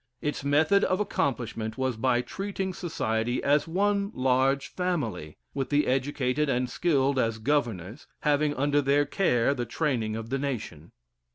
Its method of accomplishment was by treating society as one large family, with the educated and skilled as governors, having under their care the training of the nation.